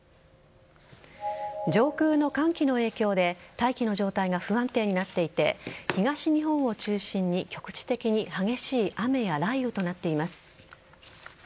上空の寒気の影響で大気の状態が不安定になっていて東日本を中心に局地的に激しい雨や雷雨となっています。